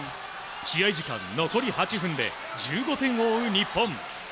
試合時間残り８分で１５点を追う日本。